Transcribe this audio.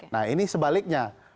nah ini sebaliknya